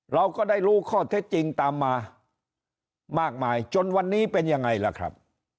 เราก็ได้รู้ข้อเท็จจริงตามมามากมายจนวันนี้เป็นยังไงล่ะครับ